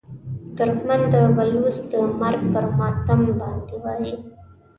ترکمن د بلوڅ د مرګ پر ماتم باندې وایي.